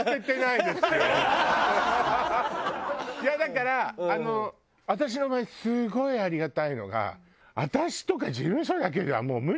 いやだからあの私の場合すごいありがたいのが私とか事務所だけではもう無理じゃない？